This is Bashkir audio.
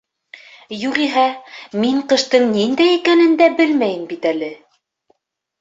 Юғиһә, мин ҡыштың ниндәй икәнен дә белмәйем бит әле.